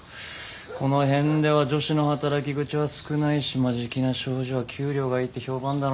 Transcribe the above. この辺では女子の働き口は少ないし眞境名商事は給料がいいって評判だのに。